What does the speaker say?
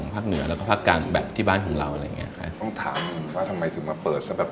ภาคเหนือน่าจะรสชาติจะเน้นพวกวัตถุดิบ